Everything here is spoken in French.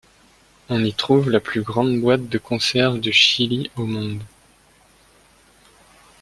On y trouve la plus grande boîte de conserve de chili au monde.